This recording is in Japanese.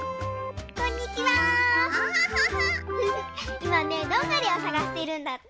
いまねどんぐりをさがしてるんだって。